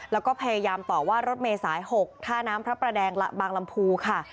แล้วก็พยายามต่อว่ารถเมย์สาย๖ท่าน้ำพระประแดงบางลำพูค่ะ